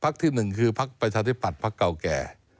ภักดิ์ที่๑คือภักดิ์ประชาธิปัตย์ภักดิ์เก่าแก่